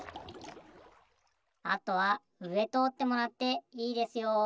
あとはうえとおってもらっていいですよ。